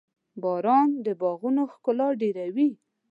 • باران د باغونو ښکلا ډېروي.